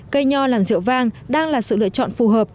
cây nho làng rượu vang đang là sự lựa chọn phù hợp